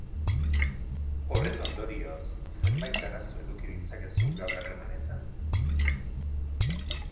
Horren ondorioz, zenbait arazo eduki ditzakezu gaur harremanetan.